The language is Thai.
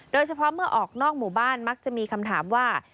โดยเฉพาะเมื่อออกนอกหมู่บ้านมักจะมีคำถามว่า